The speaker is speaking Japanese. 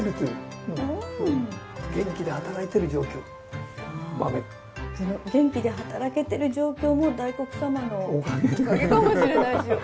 その元気で働けてる状況も大黒様のおかげかもしれないし。